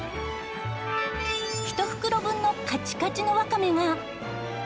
１袋分のカチカチのわかめが。